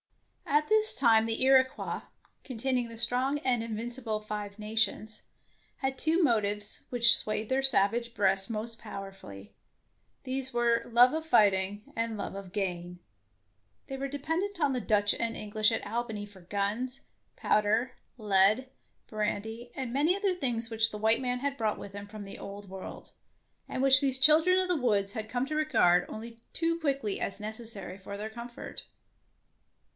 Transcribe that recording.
'^ At this time the Iroquois, containing the strong and invincible Five Nations, had two motives which swayed their savage breasts most powerfully; these were love of fighting and love of gain. They were dependent on the Dutch and English at Albany for guns, powder, lead, brandy, and many other things which the white man had brought with him from the Old World, 98 DEFENCE OF CASTLE DANGEROUS and which these children of the woods had come to regard only too quickly as necessary to their comfort.